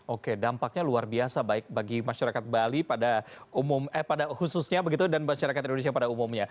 oke dampaknya luar biasa baik bagi masyarakat bali pada khususnya begitu dan masyarakat indonesia pada umumnya